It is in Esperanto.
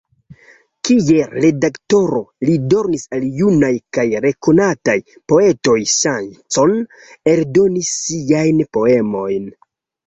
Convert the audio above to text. Kiel redaktoro, li donis al junaj kaj nekonataj poetoj ŝancon eldoni siajn poemojn.